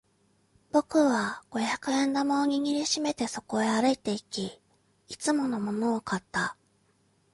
僕は五百円玉を握り締めてそこへ歩いていき、いつものものを買った。